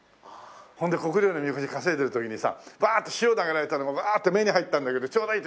ほんで国領の神輿担いでる時にさバーッて塩投げられたのがうわって目に入ったんだけどちょうどいいって。